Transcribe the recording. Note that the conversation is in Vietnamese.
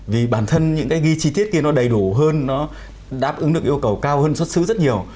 vì bản thân những cái ghi chi tiết kia nó đầy đủ hơn nó đáp ứng được yêu cầu cao hơn xuất xứ rất nhiều